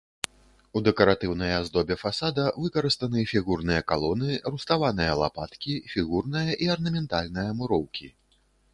У дэкаратыўнай аздобе фасада выкарыстаны фігурныя калоны, руставаныя лапаткі, фігурная і арнаментальная муроўкі.